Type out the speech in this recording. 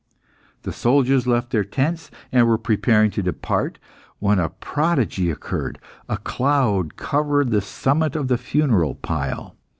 The soldiers left their tents, and were preparing to depart, when a prodigy occurred a cloud covered the summit of the funeral pile.